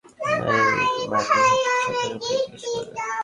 যখন এক বছর গত হল, বাদশাহ মহিলাকে সন্তান সম্পর্কে জিজ্ঞাসা করলেন।